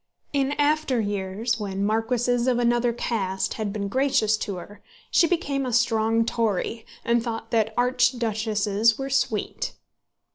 In after years, when marquises of another caste had been gracious to her, she became a strong Tory, and thought that archduchesses were sweet.